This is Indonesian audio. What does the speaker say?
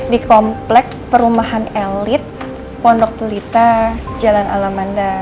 di komplek perumahan elit pondok pelita jalan alamanda lima